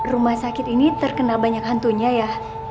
rumah sakit ini terkena banyak hantunya ya